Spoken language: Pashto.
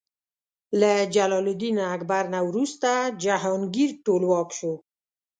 له جلال الدین اکبر نه وروسته جهانګیر ټولواک شو.